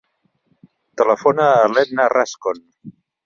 Telefona a l'Edna Rascon.